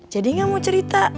jadi ga mau cerita